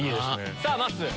さぁまっすー。